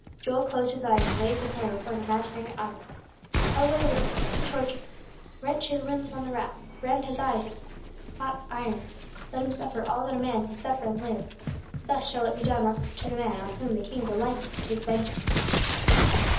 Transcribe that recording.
Joel closed his eyes, and waved his hand before an imaginary audience. "Away with him, to the torture! Wrench his limbs on the rack! Brand his eyelids with hot irons! Let him suffer all that man can suffer and live! Thus shall it be done unto the man on whom the king delighteth to take vengeance!"